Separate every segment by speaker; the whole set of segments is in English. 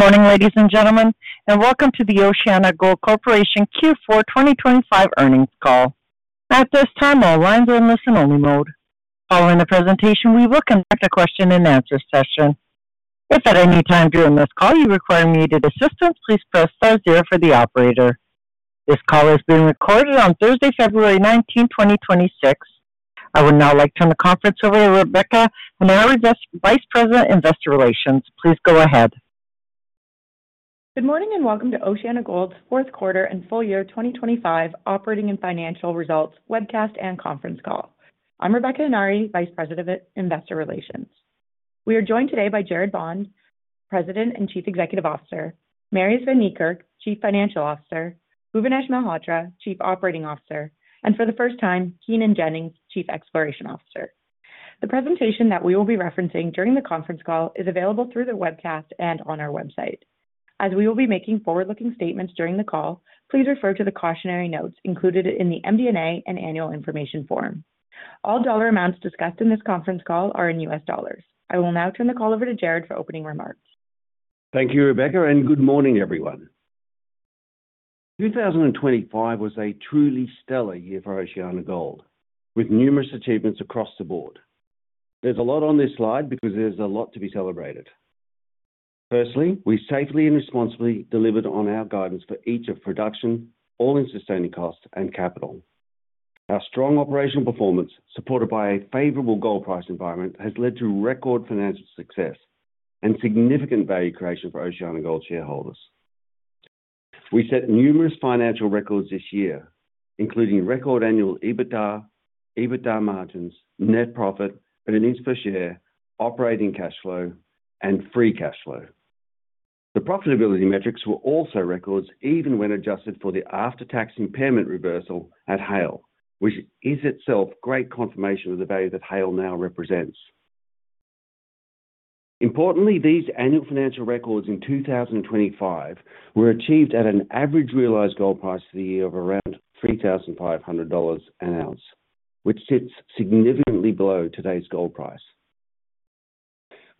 Speaker 1: Good morning, ladies and gentlemen, and welcome to the OceanaGold Corporation Q4 2025 earnings call. At this time, all lines are in listen-only mode. Following the presentation, we will conduct a question-and-answer session. If at any time during this call you require immediate assistance, please press star zero for the operator. This call is being recorded on Thursday, February 19, 2026. I would now like to turn the conference over to Rebecca Henare, Vice President, Investor Relations. Please go ahead.
Speaker 2: Good morning, and welcome to OceanaGold's fourth quarter and full year 2025 operating and financial results webcast and conference call. I'm Rebecca Henare, Vice President of Investor Relations. We are joined today by Gerard Bond, President and Chief Executive Officer, Marius van Niekerk, Chief Financial Officer, Bhuvanesh Malhotra, Chief Operating Officer, and for the first time, Keenan Jennings, Chief Exploration Officer. The presentation that we will be referencing during the conference call is available through the webcast and on our website. As we will be making forward-looking statements during the call, please refer to the cautionary notes included in the MD&A and Annual Information Form. All dollar amounts discussed in this conference call are in US dollars. I will now turn the call over to Gerard for opening remarks.
Speaker 3: Thank you, Rebecca, and good morning, everyone. 2025 was a truly stellar year for OceanaGold, with numerous achievements across the board. There's a lot on this slide because there's a lot to be celebrated. Firstly, we safely and responsibly delivered on our guidance for each of production, all-in sustaining costs, and capital. Our strong operational performance, supported by a favorable gold price environment, has led to record financial success and significant value creation for OceanaGold shareholders. We set numerous financial records this year, including record annual EBITDA, EBITDA margins, net profit, and earnings per share, operating cash flow, and free cash flow. The profitability metrics were also records, even when adjusted for the after-tax impairment reversal at Haile, which is itself great confirmation of the value that Haile now represents. Importantly, these annual financial records in 2025 were achieved at an average realized gold price for the year of around $3,500 an ounce, which sits significantly below today's gold price.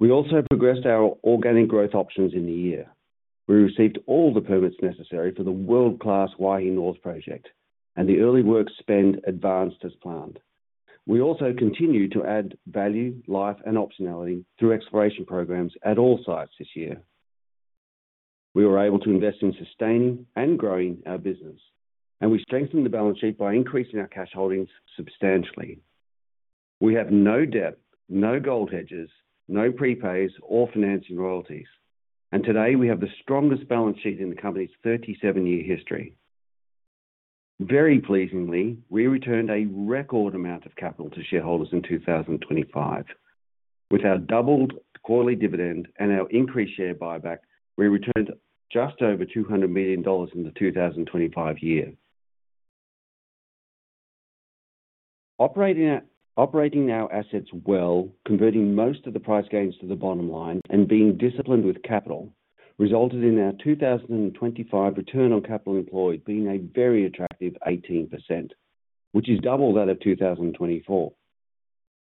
Speaker 3: We also progressed our organic growth options in the year. We received all the permits necessary for the world-class Waihi North Project, and the early work spend advanced as planned. We also continued to add value, life, and optionality through exploration programs at all sites this year. We were able to invest in sustaining and growing our business, and we strengthened the balance sheet by increasing our cash holdings substantially. We have no debt, no gold hedges, no prepays or financing royalties, and today we have the strongest balance sheet in the company's 37-year history. Very pleasingly, we returned a record amount of capital to shareholders in 2025. With our doubled quarterly dividend and our increased share buyback, we returned just over $200 million in the 2025 year. Operating our assets well, converting most of the price gains to the bottom line, and being disciplined with capital, resulted in our 2025 Return on Capital Employed being a very attractive 18%, which is double that of 2024.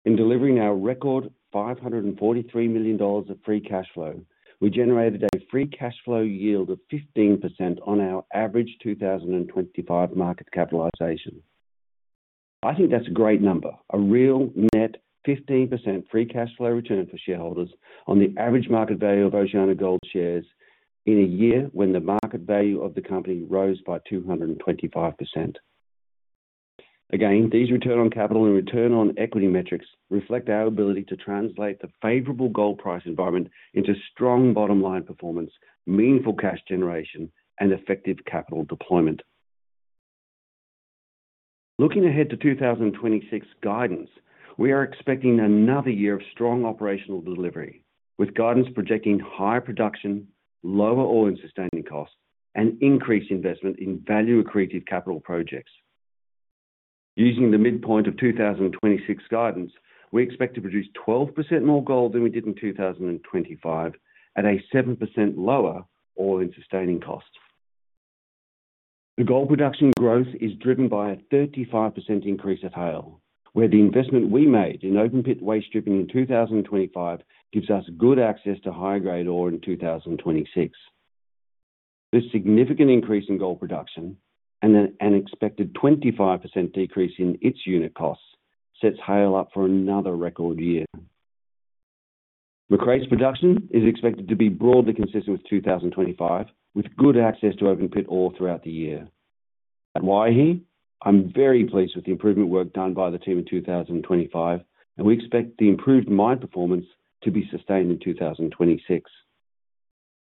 Speaker 3: In delivering our record $543 million of free cash flow, we generated a free cash flow yield of 15% on our average 2025 market capitalization. I think that's a great number. A real net 15% free cash flow return for shareholders on the average market value of OceanaGold shares in a year when the market value of the company rose by 225%. Again, these return on capital and return on equity metrics reflect our ability to translate the favorable gold price environment into strong bottom line performance, meaningful cash generation, and effective capital deployment. Looking ahead to 2026 guidance, we are expecting another year of strong operational delivery, with guidance projecting higher production, lower all-in sustaining costs, and increased investment in value-accretive capital projects. Using the midpoint of 2026 guidance, we expect to produce 12% more gold than we did in 2025 at a 7% lower all-in sustaining cost. The gold production growth is driven by a 35% increase at Haile, where the investment we made in open pit waste stripping in 2025 gives us good access to higher-grade ore in 2026. This significant increase in gold production and an expected 25% decrease in its unit costs sets Haile up for another record year. Macraes production is expected to be broadly consistent with 2025, with good access to open pit ore throughout the year. At Waihi, I'm very pleased with the improvement work done by the team in 2025, and we expect the improved mine performance to be sustained in 2026.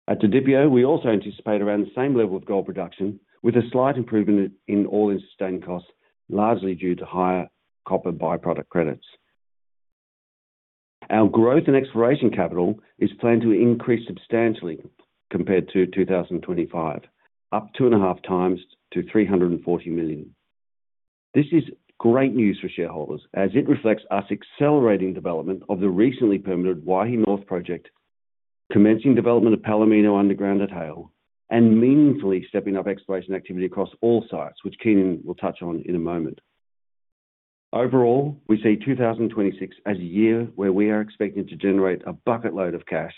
Speaker 3: At Didipio, we also anticipate around the same level of gold production, with a slight improvement in all-in sustaining costs, largely due to higher copper by-product credits. Our growth and exploration capital is planned to increase substantially compared to 2025, up 2.5 times to $340 million. This is great news for shareholders as it reflects us accelerating development of permitted Waihi North project, commencing development of Palomino Underground at Haile, and meaningfully stepping up exploration activity across all sites, which Keenan will touch on in a moment. Overall, we see 2026 as a year where we are expecting to generate a bucket load of cash,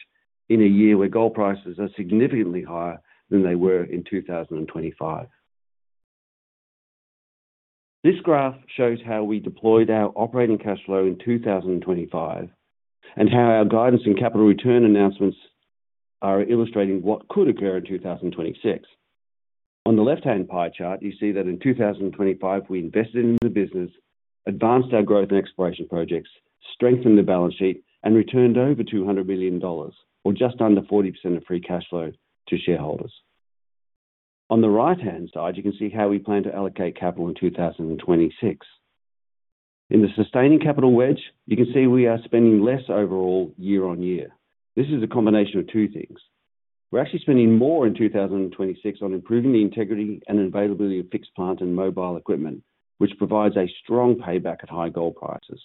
Speaker 3: in a year where gold prices are significantly higher than they were in 2025. This graph shows how we deployed our operating cash flow in 2025, and how our guidance and capital return announcements are illustrating what could occur in 2026. On the left-hand pie chart, you see that in 2025, we invested in the business, advanced our growth and exploration projects, strengthened the balance sheet, and returned over $200 million, or just under 40% of free cash flow to shareholders. On the right-hand side, you can see how we plan to allocate capital in 2026. In the sustaining capital wedge, you can see we are spending less overall year-on-year. This is a combination of two things. We're actually spending more in 2026 on improving the integrity and availability of fixed plant and mobile equipment, which provides a strong payback at high gold prices.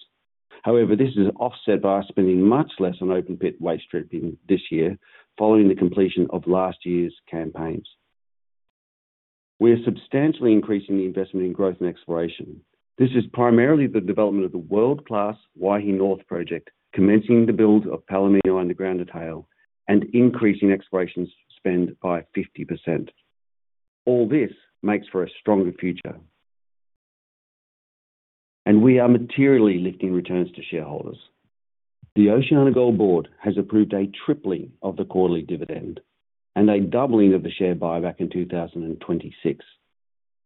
Speaker 3: However, this is offset by spending much less on open pit waste stripping this year, following the completion of last year's campaigns. We are substantially increasing the investment in growth and exploration. This is primarily the development of the world-class Waihi North Project, commencing the build of Palomino Underground at Haile, and increasing exploration spend by 50%. All this makes for a stronger future. We are materially lifting returns to shareholders. The OceanaGold board has approved a tripling of the quarterly dividend and a doubling of the share buyback in 2026,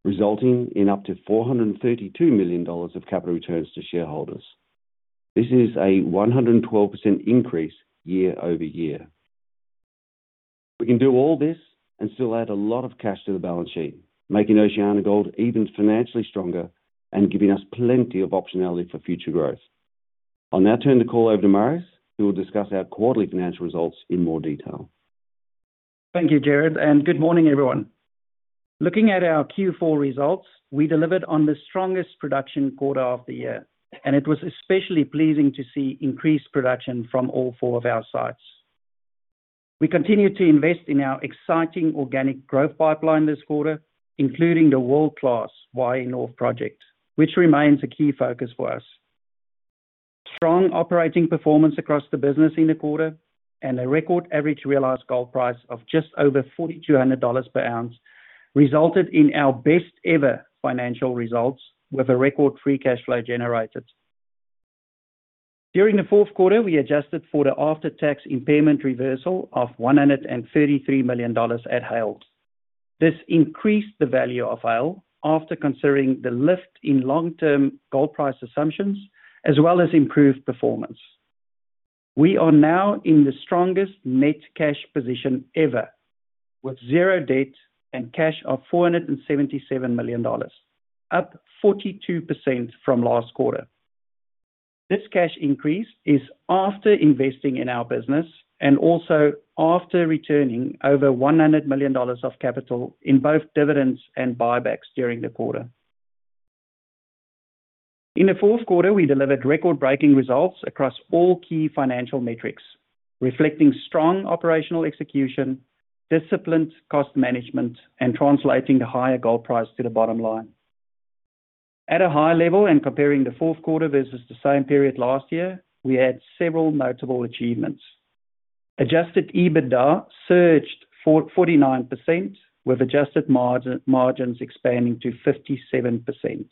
Speaker 3: resulting in up to $432 million of capital returns to shareholders. This is a 112% increase year-over-year. We can do all this and still add a lot of cash to the balance sheet, making OceanaGold even financially stronger and giving us plenty of optionality for future growth. I'll now turn the call over to Marius, who will discuss our quarterly financial results in more detail.
Speaker 4: Thank you, Gerard, and good morning, everyone. Looking at our Q4 results, we delivered on the strongest production quarter of the year, and it was especially pleasing to see increased production from all four of our sites. We continued to invest in our exciting organic growth pipeline this quarter, including the world-class Waihi North Project, which remains a key focus for us. Strong operating performance across the business in the quarter, and a record average realized gold price of just over $4,200 per ounce, resulted in our best-ever financial results, with a record free cash flow generated. During the fourth quarter, we adjusted for the after-tax impairment reversal of $133 million at Haile. This increased the value of Haile after considering the lift in long-term gold price assumptions, as well as improved performance. We are now in the strongest net cash position ever, with zero debt and cash of $477 million, up 42% from last quarter. This cash increase is after investing in our business and also after returning over $100 million of capital in both dividends and buybacks during the quarter. In the fourth quarter, we delivered record-breaking results across all key financial metrics, reflecting strong operational execution, disciplined cost management, and translating the higher gold price to the bottom line. At a high level, and comparing the fourth quarter versus the same period last year, we had several notable achievements. Adjusted EBITDA surged 49%, with adjusted margin, margins expanding to 57%.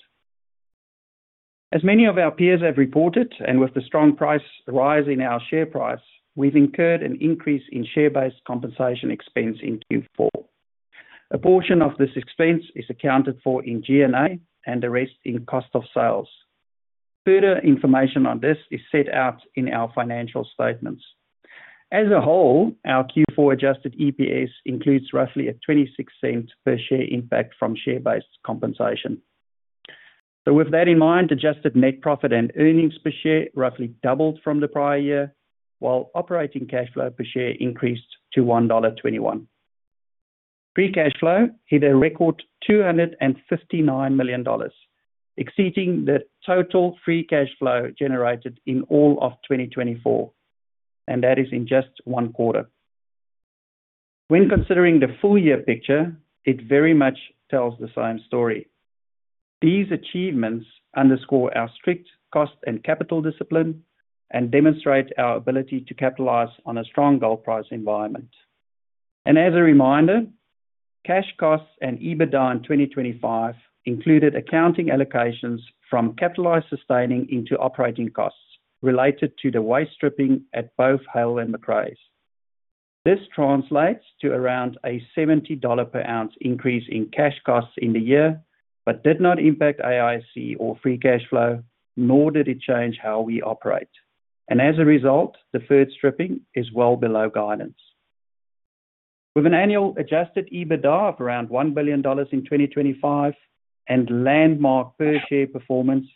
Speaker 4: As many of our peers have reported, and with the strong price rise in our share price, we've incurred an increase in share-based compensation expense in Q4. A portion of this expense is accounted for in G&A and the rest in cost of sales. Further information on this is set out in our financial statements. As a whole, our Q4 adjusted EPS includes roughly a $0.26 per share impact from share-based compensation. So with that in mind, adjusted net profit and earnings per share roughly doubled from the prior year, while operating cash flow per share increased to $1.21. Free cash flow hit a record $259 million, exceeding the total free cash flow generated in all of 2024, and that is in just one quarter. When considering the full year picture, it very much tells the same story. These achievements underscore our strict cost and capital discipline and demonstrate our ability to capitalize on a strong gold price environment. As a reminder, cash costs and EBITDA in 2025 included accounting allocations from capitalized sustaining into operating costs related to the waste stripping at both Haile and Macraes. This translates to around a $70 per ounce increase in cash costs in the year, but did not impact AISC or free cash flow, nor did it change how we operate. As a result, the waste stripping is well below guidance. With an annual Adjusted EBITDA of around $1 billion in 2025 and landmark per share performance,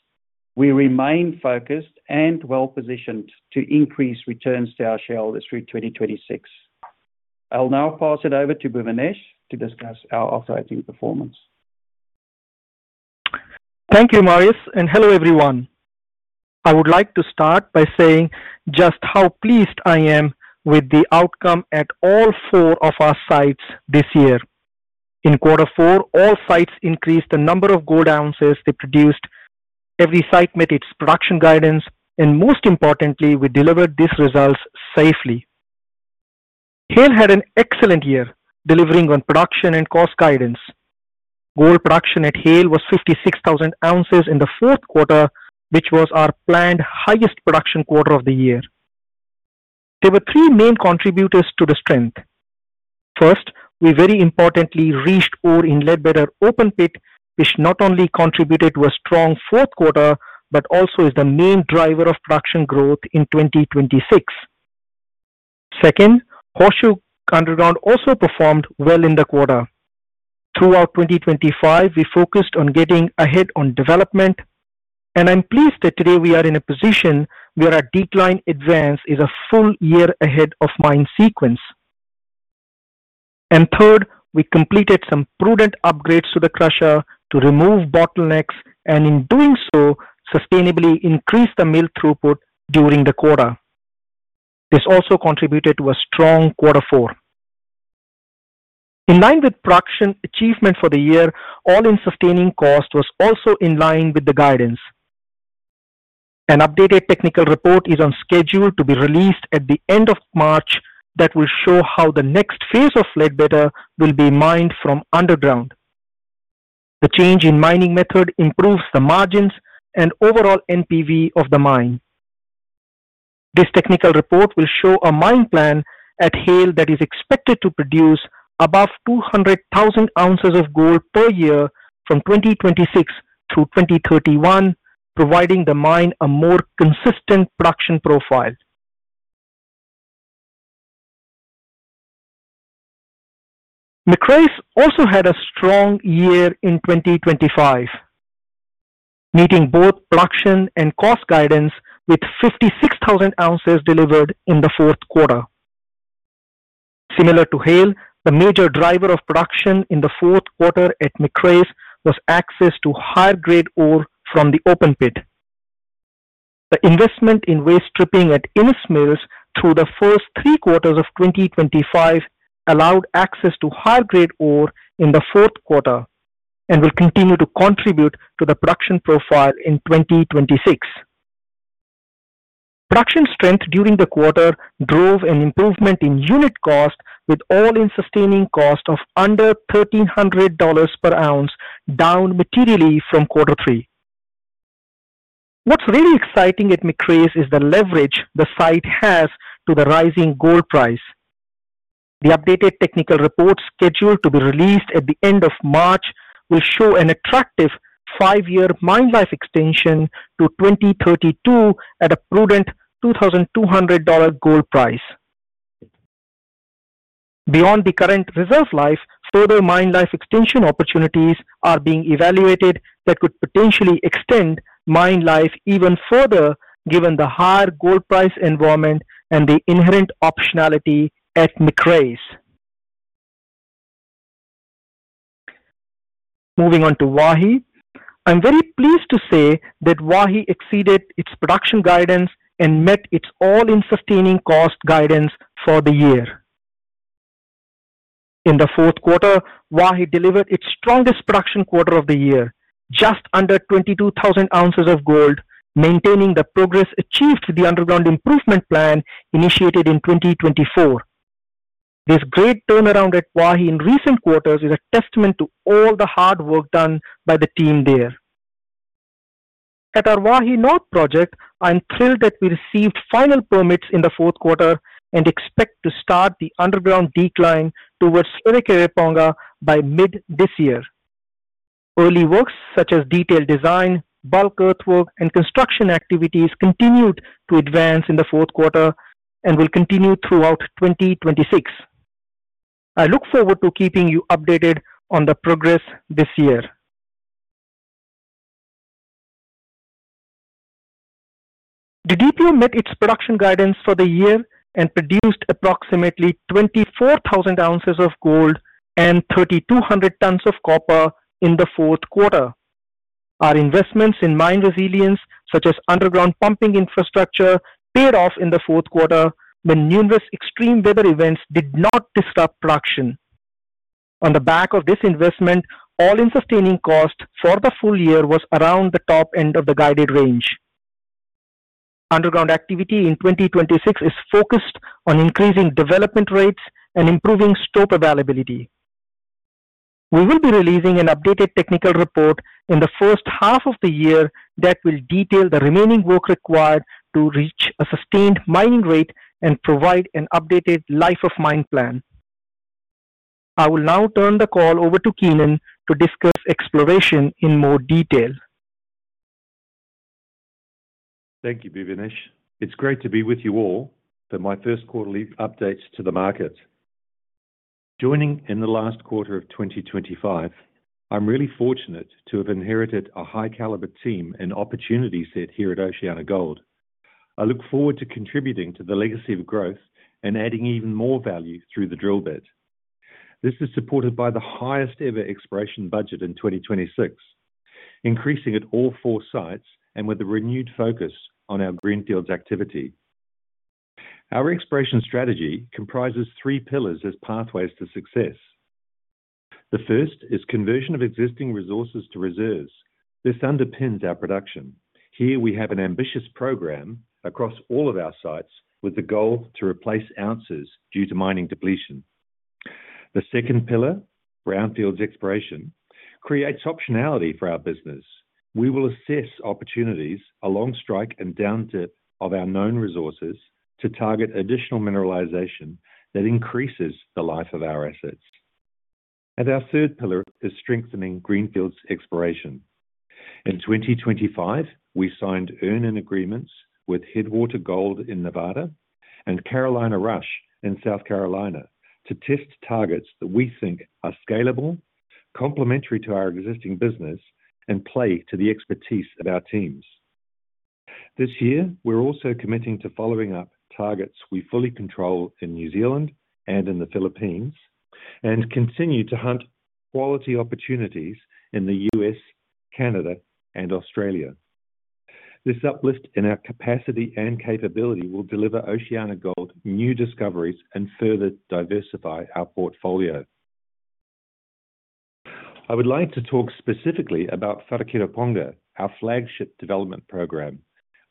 Speaker 4: we remain focused and well-positioned to increase returns to our shareholders through 2026. I'll now pass it over to Bhuvanesh to discuss our operating performance.
Speaker 5: Thank you, Marius, and hello, everyone. I would like to start by saying just how pleased I am with the outcome at all four of our sites this year. In quarter four, all sites increased the number of gold ounces they produced. Every site met its production guidance, and most importantly, we delivered these results safely. Haile had an excellent year, delivering on production and cost guidance. Gold production at Haile was 56,000 ounces in the fourth quarter, which was our planned highest production quarter of the year. There were three main contributors to the strength. First, we very importantly reached ore in Ledbetter Open Pit, which not only contributed to a strong fourth quarter, but also is the main driver of production growth in 2026. Second, Horseshoe Underground also performed well in the quarter. Throughout 2025, we focused on getting ahead on development, and I'm pleased that today we are in a position where our decline advance is a full year ahead of mine sequence. And third, we completed some prudent upgrades to the crusher to remove bottlenecks, and in doing so, sustainably increased the mill throughput during the quarter. This also contributed to a strong quarter four. In line with production achievement for the year, all-in sustaining cost was also in line with the guidance. An updated technical report is on schedule to be released at the end of March that will show how the next phase of Ledbetter will be mined from underground. The change in mining method improves the margins and overall NPV of the mine. This technical report will show a mine plan at Haile that is expected to produce above 200,000 ounces of gold per year from 2026 through 2031, providing the mine a more consistent production profile. Macraes also had a strong year in 2025, meeting both production and cost guidance, with 56,000 ounces delivered in the fourth quarter. Similar to Haile, the major driver of production in the fourth quarter at Macraes was access to higher-grade ore from the open pit. The investment in waste stripping at Innes Mills through the first three quarters of 2025 allowed access to higher-grade ore in the fourth quarter and will continue to contribute to the production profile in 2026. Production strength during the quarter drove an improvement in unit cost, with all-in sustaining cost of under $1,300 per ounce, down materially from quarter three. What's really exciting at Macraes is the leverage the site has to the rising gold price. The updated technical report, scheduled to be released at the end of March, will show an attractive five-year mine life extension to 2032 at a prudent $2,200 gold price. Beyond the current reserve life, further mine life extension opportunities are being evaluated that could potentially extend mine life even further, given the higher gold price environment and the inherent optionality at Macraes. Moving on to Waihi. I'm very pleased to say that Waihi exceeded its production guidance and met its all-in sustaining cost guidance for the year. In the fourth quarter, Waihi delivered its strongest production quarter of the year, just under 22,000 ounces of gold, maintaining the progress achieved with the underground improvement plan initiated in 2024. This great turnaround at Waihi in recent quarters is a testament to all the hard work done by the team there. At our Waihi North Project, I'm thrilled that we received final permits in the fourth quarter and expect to start the underground decline towards Wharekirauponga by mid this year. Early works such as detailed design, bulk earthwork, and construction activities continued to advance in the fourth quarter and will continue throughout 2026. I look forward to keeping you updated on the progress this year. Didipio met its production guidance for the year and produced approximately 24,000 ounces of gold and 3,200 tons of copper in the fourth quarter. Our investments in mine resilience, such as underground pumping infrastructure, paid off in the fourth quarter when numerous extreme weather events did not disrupt production. On the back of this investment, All-in Sustaining Cost for the full year was around the top end of the guided range. Underground activity in 2026 is focused on increasing development rates and improving stope availability. We will be releasing an updated Technical Report in the first half of the year that will detail the remaining work required to reach a sustained mining rate and provide an updated life-of-mine plan. I will now turn the call over to Keenan to discuss exploration in more detail.
Speaker 6: Thank you, Bhuvanesh. It's great to be with you all for my first quarterly update to the market. Joining in the last quarter of 2025, I'm really fortunate to have inherited a high caliber team and opportunity set here at OceanaGold. I look forward to contributing to the legacy of growth and adding even more value through the drill bit. This is supported by the highest ever exploration budget in 2026, increasing at all four sites and with a renewed focus on our greenfields activity. Our exploration strategy comprises three pillars as pathways to success. The first is conversion of existing resources to reserves. This underpins our production. Here we have an ambitious program across all of our sites, with the goal to replace ounces due to mining depletion. The second pillar, brownfields exploration, creates optionality for our business. We will assess opportunities along strike and down dip of our known resources, to target additional mineralization that increases the life of our assets. Our third pillar is strengthening greenfields exploration. In 2025, we signed earn-in agreements with Headwater Gold in Nevada and Carolina Rush in South Carolina to test targets that we think are scalable, complementary to our existing business, and play to the expertise of our teams. This year, we're also committing to following up targets we fully control in New Zealand and in the Philippines, and continue to hunt quality opportunities in the U.S., Canada, and Australia. This uplift in our capacity and capability will deliver OceanaGold new discoveries and further diversify our portfolio. I would like to talk specifically about Wharekirauponga, our flagship development program,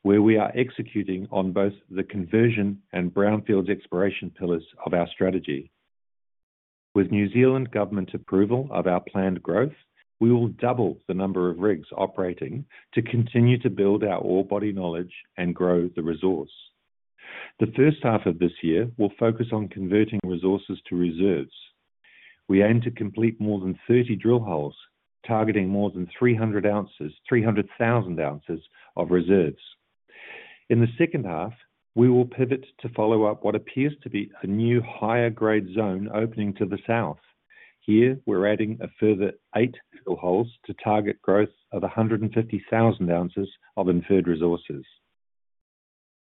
Speaker 6: where we are executing on both the conversion and brownfields exploration pillars of our strategy. With New Zealand government approval of our planned growth, we will double the number of rigs operating to continue to build our ore body knowledge and grow the resource. The first half of this year will focus on converting resources to reserves. We aim to complete more than 30 drill holes, targeting more than 300-300,000 ounces of reserves. In the second half, we will pivot to follow up what appears to be a new higher-grade zone opening to the south. Here, we're adding a further eight drill holes to target growth of 150,000 ounces of inferred resources.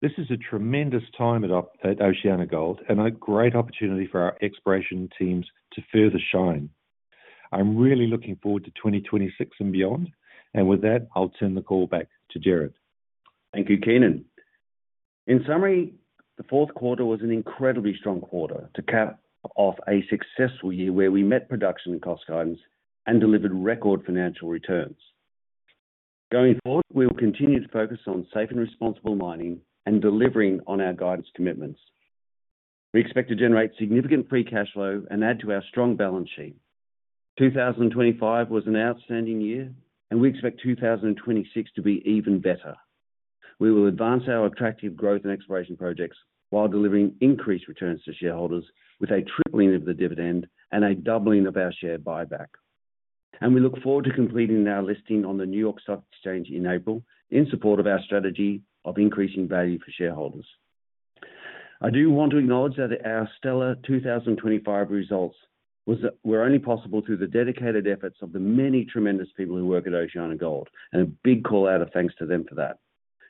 Speaker 6: This is a tremendous time at OceanaGold and a great opportunity for our exploration teams to further shine. I'm really looking forward to 2026 and beyond, and with that, I'll turn the call back to Gerard.
Speaker 3: Thank you, Keenan. In summary, the fourth quarter was an incredibly strong quarter to cap off a successful year where we met production and cost guidance and delivered record financial returns. Going forward, we will continue to focus on safe and responsible mining and delivering on our guidance commitments. We expect to generate significant free cash flow and add to our strong balance sheet. 2025 was an outstanding year, and we expect 2026 to be even better. We will advance our attractive growth and exploration projects while delivering increased returns to shareholders, with a tripling of the dividend and a doubling of our share buyback. We look forward to completing our listing on the New York Stock Exchange in April, in support of our strategy of increasing value for shareholders. I do want to acknowledge that our stellar 2025 results was, were only possible through the dedicated efforts of the many tremendous people who work at OceanaGold, and a big call out and thanks to them for that.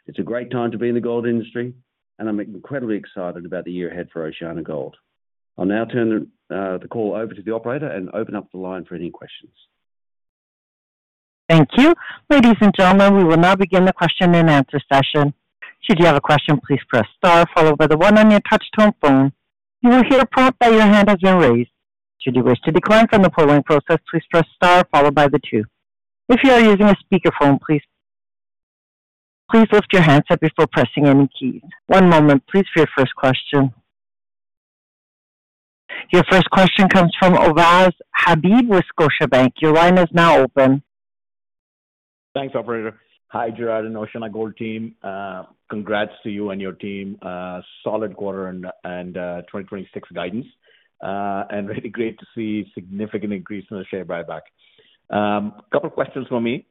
Speaker 3: It's a great time to be in the gold industry, and I'm incredibly excited about the year ahead for OceanaGold. I'll now turn the, the call over to the operator and open up the line for any questions.
Speaker 1: Thank you. Ladies and gentlemen, we will now begin the question-and-answer session. Should you have a question, please press star followed by the one on your touch tone phone. You will hear a prompt that your hand has been raised. Should you wish to decline from the polling process, please press star followed by the two. If you are using a speakerphone, please, please lift your handset before pressing any keys. One moment, please, for your first question. Your first question comes from Ovais Habib with Scotiabank. Your line is now open.
Speaker 7: Thanks, operator. Hi, Gerard and OceanaGold team. Congrats to you and your team. Solid quarter and 2026 guidance. And really great to see significant increase in the share buyback. Couple questions for me.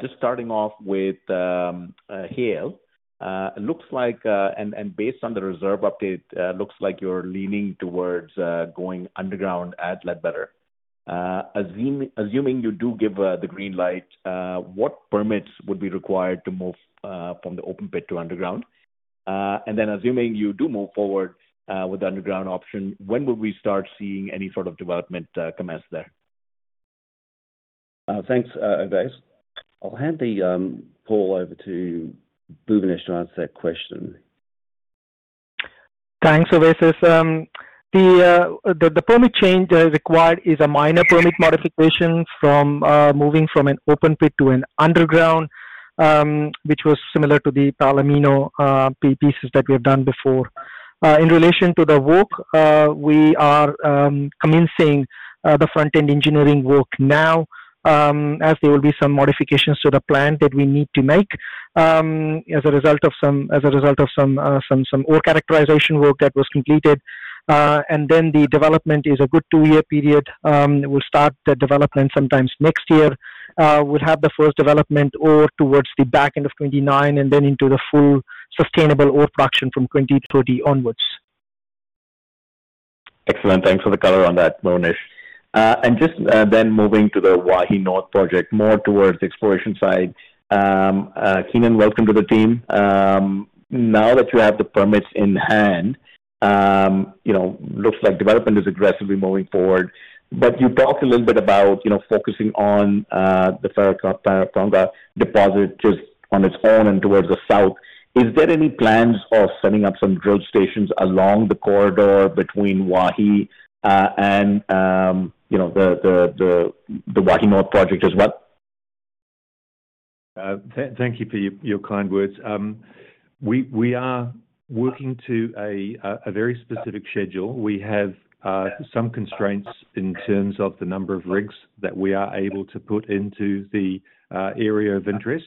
Speaker 7: Just starting off with Haile. It looks like, and based on the reserve update, looks like you're leaning towards going underground at Ledbetter. Assuming you do give the green light, what permits would be required to move from the open pit to underground? And then assuming you do move forward with the underground option, when would we start seeing any sort of development commence there?
Speaker 3: Thanks, Ovais. I'll hand the call over to Bhuvanesh to answer that question.
Speaker 5: Thanks, Ovais. The permit change required is a minor permit modification from moving from an open pit to an underground, which fsimilar to the Palomino pieces that we have done before. In relation to the work, we are commencing the front-end engineering work now, as there will be some modifications to the plan that we need to make, as a result of some ore characterization work that was completed. And then the development is a good two-year period. We'll start the development sometime next year. We'll have the first development ore towards the back end of 2029 and then into the full sustainable ore production from 2030 onwards.
Speaker 7: Excellent. Thanks for the color on that, Bhuvanesh. And just, then moving to the Waihi North Project, more towards the exploration side. Keenan, welcome to the team. Now that you have the permits in hand, you know, looks like development is aggressively moving forward. But you talked a little bit about, you know, focusing on the Wharekirauponga deposit just on its own and towards the south. Is there any plans of setting up some drill stations along the corridor between Waihi and, you know, the, the, the, the Waihi North Project as well?
Speaker 6: Thank you for your kind words. We are working to a very specific schedule. We have some constraints in terms of the number of rigs that we are able to put into the area of interest.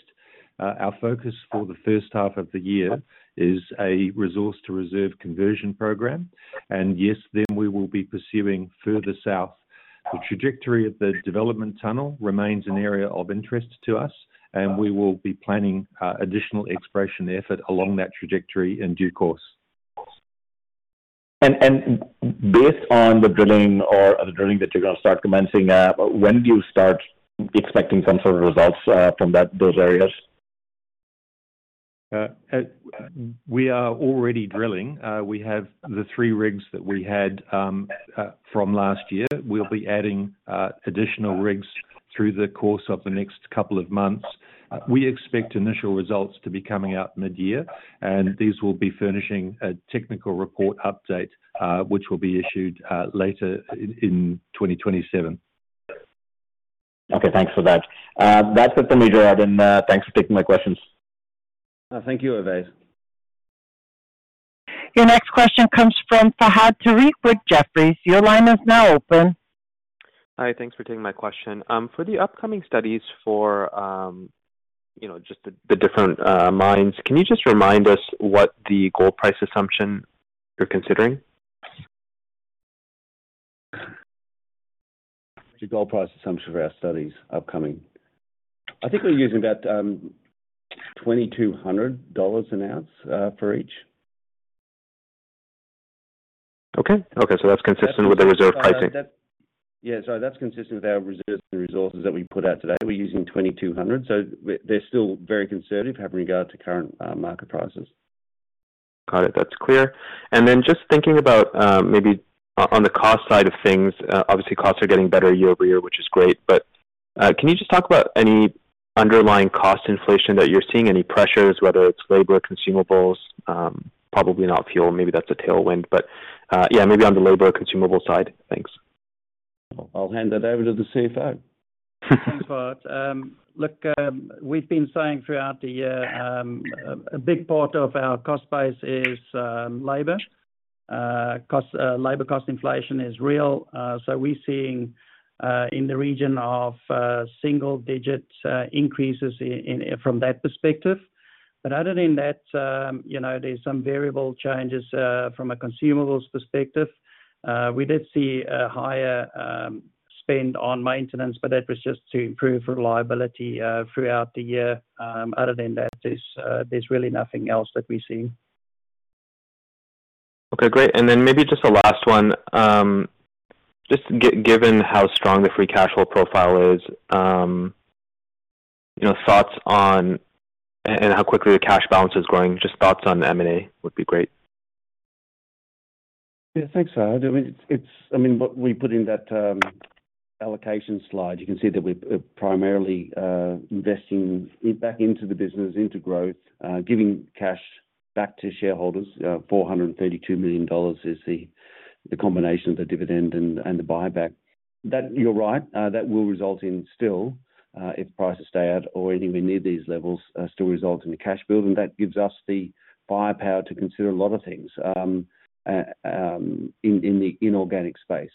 Speaker 6: Our focus for the first half of the year is a resource to reserve conversion program, and yes, then we will be pursuing further south. The trajectory of the development tunnel remains an area of interest to us, and we will be planning additional exploration effort along that trajectory in due course.
Speaker 7: Based on the drilling or the drilling that you're going to start commencing, when do you start expecting some sort of results from that, those areas?
Speaker 6: We are already drilling. We have the three rigs that we had from last year. We'll be adding additional rigs through the course of the next couple of months. We expect initial results to be coming out mid-year, and these will be furnishing a Technical Report update, which will be issued later in 2027.
Speaker 7: Okay, thanks for that. That's it for me, Gerard, and thanks for taking my questions.
Speaker 3: Thank you, Ovais.
Speaker 1: Your next question comes from Fahad Tariq with Jefferies. Your line is now open.
Speaker 8: Hi, thanks for taking my question. For the upcoming studies for, you know, just the different mines, can you just remind us what the gold price assumption you're considering?
Speaker 3: The gold price assumption for our studies upcoming. I think we're using about $2,200 an ounce for each.
Speaker 8: Okay. Okay, so that's consistent with the reserve pricing.
Speaker 3: Yeah, so that's consistent with our reserves and resources that we put out today. We're using $2,200, so they're, they're still very conservative having regard to current, market prices.
Speaker 8: Got it. That's clear. And then just thinking about, maybe on the cost side of things, obviously, costs are getting better year-over-year, which is great. But, can you just talk about any underlying cost inflation that you're seeing, any pressures, whether it's labor, consumables? Probably not fuel. Maybe that's a tailwind, but, yeah, maybe on the labor consumable side. Thanks.
Speaker 3: I'll hand it over to the CFO.
Speaker 4: Thanks, Fahad. Look, we've been saying throughout the year, a big part of our cost base is labor. Labor cost inflation is real. So we're seeing, in the region of single digits increases in from that perspective. But other than that, you know, there's some variable changes, from a consumables perspective. We did see a higher spend on maintenance, but that was just to improve reliability, throughout the year. Other than that, there's really nothing else that we're seeing.
Speaker 8: Okay, great. Then maybe just the last one. Just given how strong the free cash flow profile is, you know, thoughts on and how quickly the cash balance is growing, just thoughts on M&A would be great.
Speaker 3: Yeah, thanks, Fahad. I mean, it's, I mean, what we put in that, allocation slide, you can see that we've, primarily, investing back into the business, into growth, giving cash back to shareholders. $432 million is the, the combination of the dividend and, and the buyback. That you're right, that will result in still, if prices stay out or anywhere near these levels, still result in the cash build, and that gives us the firepower to consider a lot of things, in the inorganic space.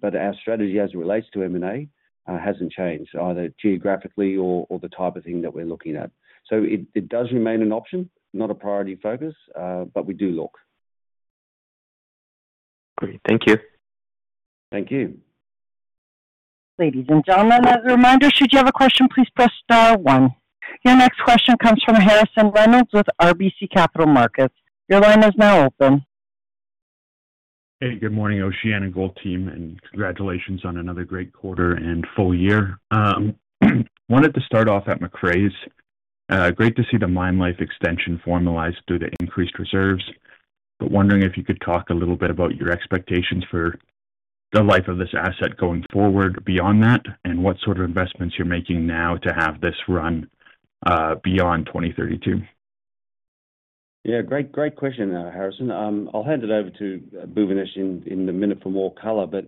Speaker 3: But our strategy as it relates to M&A, hasn't changed either geographically or, or the type of thing that we're looking at. So it, it does remain an option, not a priority focus, but we do look.
Speaker 8: Great. Thank you.
Speaker 3: Thank you.
Speaker 1: Ladies and gentlemen, as a reminder, should you have a question, please press star one. Your next question comes from Harrison Reynolds with RBC Capital Markets. Your line is now open.
Speaker 9: Hey, good morning, OceanaGold team, and congratulations on another great quarter and full year. Wanted to start off at Macraes. Great to see the mine life extension formalized due to increased reserves, but wondering if you could talk a little bit about your expectations for the life of this asset going forward beyond that, and what sort of investments you're making now to have this run beyond 2032.
Speaker 3: Yeah, great, great question, Harrison. I'll hand it over to Bhuvanesh in a minute for more color, but,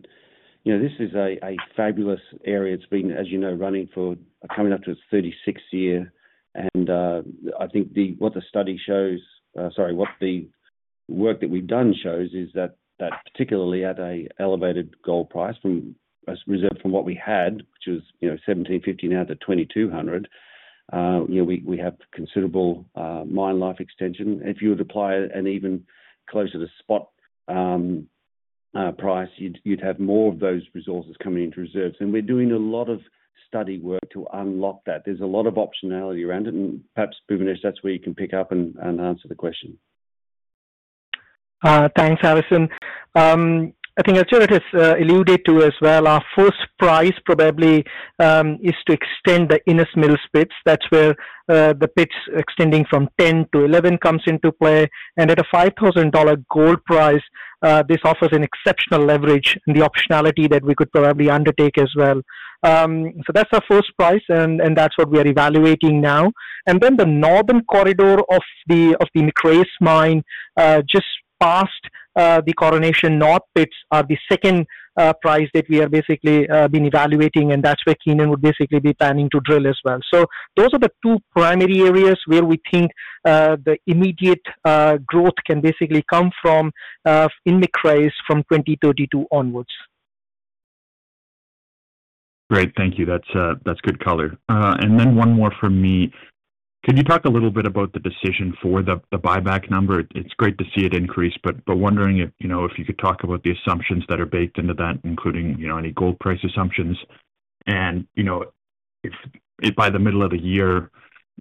Speaker 3: you know, this is a fabulous area. It's been, as you know, running for coming up to its thirty-sixth year, and I think what the work that we've done shows is that, that particularly at an elevated gold price from as reserved from what we had, which is, you know, $1,750, now to $2,200, you know, we have considerable mine life extension. If you would apply an even closer to spot price, you'd have more of those resources coming into reserves. And we're doing a lot of study work to unlock that. There's a lot of optionality around it, and perhaps, Bhuvanesh, that's where you can pick up and answer the question.
Speaker 5: Thanks, Harrison. I think as Gerard has alluded to as well, our first priority probably is to extend the Innes Mills pits. That's where the pits extending from 10 to 11 comes into play, and at a $5,000 gold price this offers an exceptional leverage in the optionality that we could probably undertake as well. So that's our first priority, and that's what we are evaluating now. And then the northern corridor of the Macraes mine just past the Coronation North pits are the second priority that we are basically been evaluating, and that's where Keenan would basically be planning to drill as well. So those are the two primary areas where we think the immediate growth can basically come from in Macraes from 2032 onwards.
Speaker 9: Great. Thank you. That's, that's good color. And then one more from me. Can you talk a little bit about the decision for the buyback number? It's great to see it increase, but wondering if, you know, if you could talk about the assumptions that are baked into that, including, you know, any gold price assumptions. And, you know, if by the middle of the year,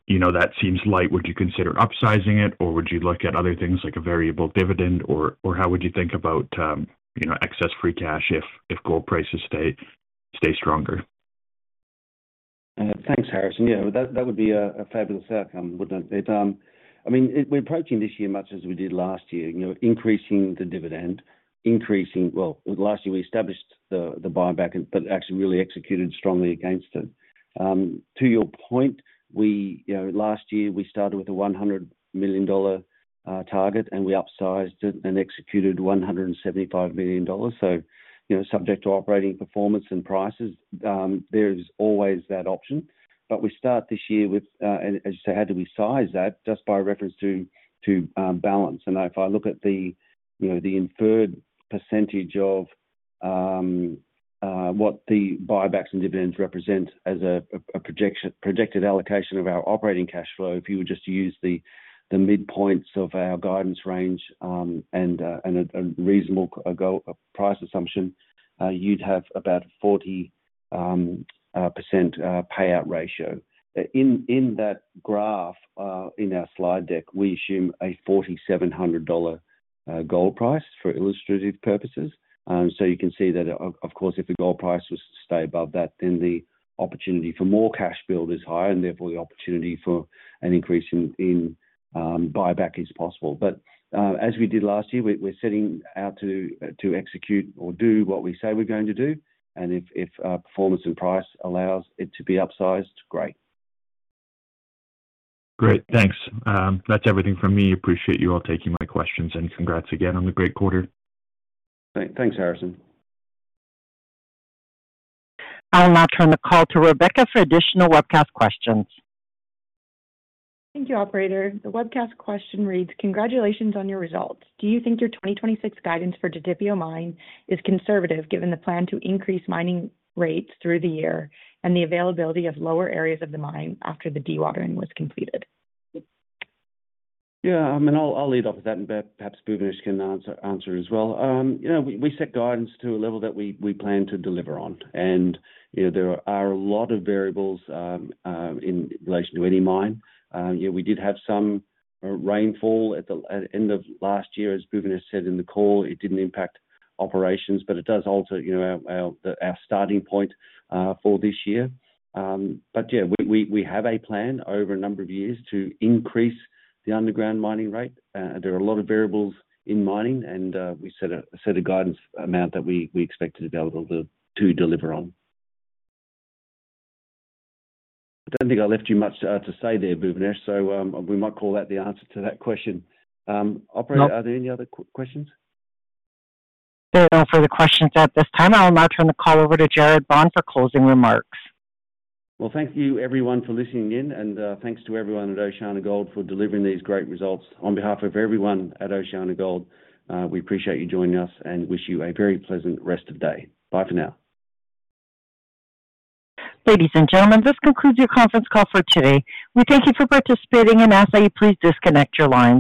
Speaker 9: you know, that seems light, would you consider upsizing it, or would you look at other things like a variable dividend, or how would you think about, you know, excess free cash if gold prices stay stronger?
Speaker 3: Thanks, Harrison. Yeah, that would be a fabulous outcome, wouldn't it? I mean, we're approaching this year much as we did last year, you know, increasing the dividend, increasing Well, last year we established the buyback, but actually really executed strongly against it. To your point, we, you know, last year we started with a $100 million target, and we upsized it and executed $175 million. So, you know, subject to operating performance and prices, there is always that option. But we start this year with, and so how do we size that? Just by reference to balance. If I look at the, you know, the inferred percentage of what the buybacks and dividends represent as a projected allocation of our operating cash flow, if you would just use the midpoints of our guidance range, and a reasonable gold price assumption, you'd have about 40% payout ratio. In that graph in our slide deck, we assume a $4,700 gold price for illustrative purposes. So you can see that, of course, if the gold price was to stay above that, then the opportunity for more cash build is higher, and therefore the opportunity for an increase in buyback is possible. But, as we did last year, we're setting out to execute or do what we say we're going to do, and if performance and price allows it to be upsized, great.
Speaker 9: Great, thanks. That's everything from me. Appreciate you all taking my questions, and congrats again on the great quarter.
Speaker 3: Thanks, Harrison.
Speaker 1: I'll now turn the call to Rebecca for additional webcast questions.
Speaker 2: Thank you, operator. The webcast question reads: Congratulations on your results. Do you think your 2026 guidance for Didipio Mine is conservative, given the plan to increase mining rates through the year and the availability of lower areas of the mine after the dewatering was completed?
Speaker 3: Yeah, and I'll lead off with that, and perhaps Bhuvanesh can answer as well. You know, we set guidance to a level that we plan to deliver on, and you know, there are a lot of variables in relation to any mine. Yeah, we did have some rainfall at the end of last year. As Bhuvanesh said in the call, it didn't impact operations, but it does alter, you know, our starting point for this year. But yeah, we have a plan over a number of years to increase the underground mining rate. There are a lot of variables in mining, and we set a guidance amount that we expect to be able to deliver on. I don't think I left you much to say there, Bhuvanesh, so we might call that the answer to that question. Operator, are there any other questions?
Speaker 1: There are no further questions at this time. I'll now turn the call over to Gerard Bond for closing remarks.
Speaker 3: Well, thank you everyone for listening in, and, thanks to everyone at OceanaGold for delivering these great results. On behalf of everyone at OceanaGold, we appreciate you joining us and wish you a very pleasant rest of day. Bye for now.
Speaker 1: Ladies and gentlemen, this concludes your conference call for today. We thank you for participating and ask that you please disconnect your lines.